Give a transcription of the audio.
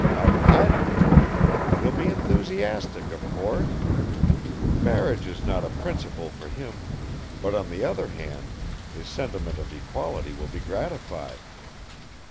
"Arkady? He'll be enthusiastic, of course! Marriage is not a principle for him, but on the other hand his sentiment of equality will be gratified.